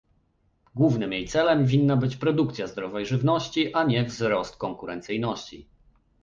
Głównym jej celem winna być produkcja zdrowej żywności, a nie wzrost konkurencyjności